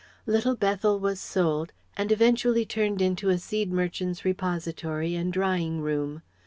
Little Bethel was sold and eventually turned into a seed merchant's repository and drying room.